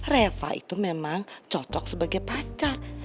reva itu memang cocok sebagai pacar